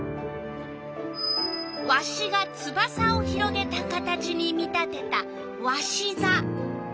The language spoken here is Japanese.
わしがつばさを広げた形に見立てたわしざ。